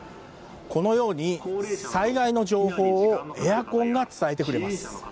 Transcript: このように、災害の情報をエアコンが伝えてくれます。